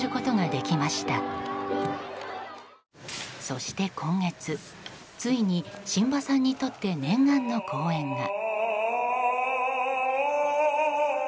そして今月ついに榛葉さんにとって念願の公演が。